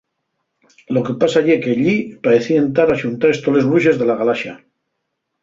Lo que pasa ye qu'ellí paecíen tar axuntaes toles bruxes de la galaxa.